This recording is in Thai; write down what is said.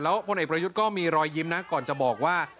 พลเอกประยุทธ์ก็มีรอยยิ้มนะก่อนจะบอกว่า